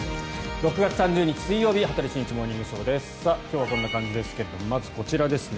６月３０日水曜日「羽鳥慎一モーニングショー」。今日はこんな感じですけれどもまず、こちらですね。